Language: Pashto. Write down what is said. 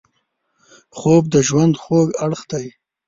خوب د ژوند خوږ اړخ دی